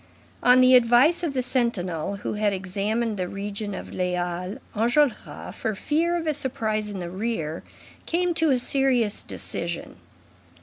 On the advice of the sentinel who had examined the region of the Halles, Enjolras, for fear of a surprise in the rear, came to a serious decision.